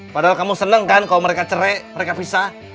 padahal kamu seneng kan kalau mereka cerai mereka pisah